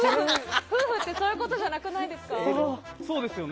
夫婦ってそういうことじゃなくないですか？